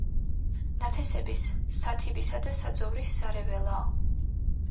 ნათესების, სათიბისა და საძოვრის სარეველაა.